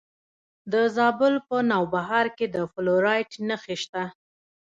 د زابل په نوبهار کې د فلورایټ نښې شته.